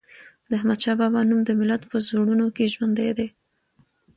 د احمد شاه بابا نوم د ملت په زړونو کې ژوندی دی.